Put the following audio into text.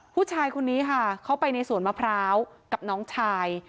ผู้ชายคนนี้ค่ะเข้าไปในสวนมะพร้าวกับน้องชาย